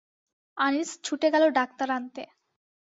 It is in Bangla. আনিস ছুটে গেল ডাক্তার আনতে।